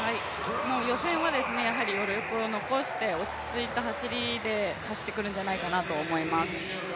予選は余力を残して、落ち着いた走りで走ってくるのではないかと思います。